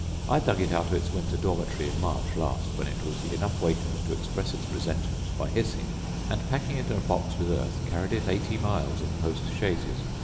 I dug it out of its winter dormitory in March last, when it was enough awakened to express its resentments by hissing; and, packing it in a box with earth, carried it eighty miles in post chaises.